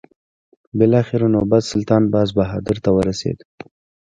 بالاخره نوبت سلطان باز بهادر ته ورسېد.